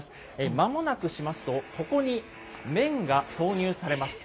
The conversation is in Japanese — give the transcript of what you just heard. まもなくしますとここに麺が投入されます。